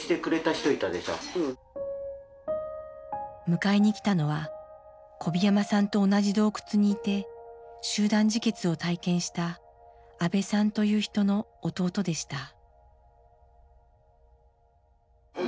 迎えに来たのは小檜山さんと同じ洞窟にいて集団自決を体験した阿部さんという人の弟でした。